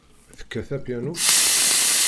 Tekkat apyanu?